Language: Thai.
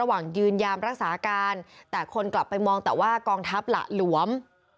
ยืนยามรักษาการแต่คนกลับไปมองแต่ว่ากองทัพหละหลวม